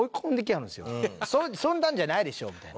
「そんなんじゃないでしょ」って。